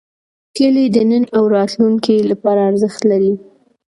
کلي د نن او راتلونکي لپاره ارزښت لري.